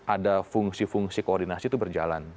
ada fungsi fungsi koordinasi itu berjalan